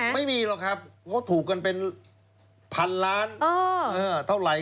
ไม่มีหรอกครับเขาถูกกันเป็นพันล้านเท่าไหร่